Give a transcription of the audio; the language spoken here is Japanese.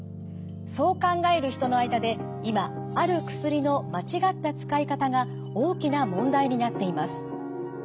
そう考える人の間で今ある薬の間違った使い方が大きな問題になっています。